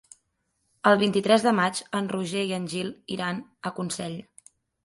El vint-i-tres de maig en Roger i en Gil iran a Consell.